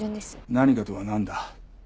「何か」とはなんだ？